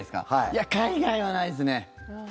いや、海外はないですね。